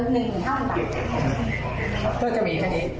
นี่จะได้